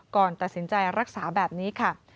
ก่อนตัดสินใจรักษาแบบนี้ค่ะ